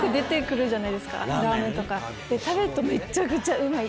食べるとめちゃくちゃうまい。